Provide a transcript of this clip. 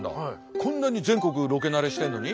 こんなに全国ロケ慣れしてんのに？